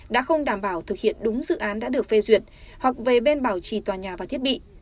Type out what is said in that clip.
đã không đảm bảo thực hiện đúng dự án đã được phê duyệt hoặc về bên bảo trì tòa nhà và thiết bị